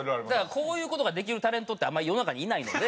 こういう事ができるタレントってあんまり世の中にいないので。